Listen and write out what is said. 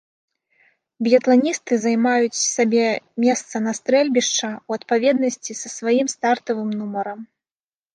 Біятланісты займаюць сабе месца на стрэльбішча ў адпаведнасці са сваім стартавым нумарам.